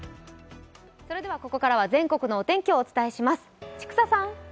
ここからは全国のお天気をお伝えします。